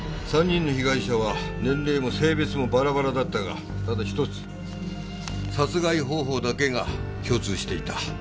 ３人の被害者は年齢も性別もバラバラだったがただ１つ殺害方法だけが共通していた。